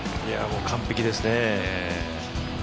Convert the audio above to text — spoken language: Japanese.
もう完璧ですね。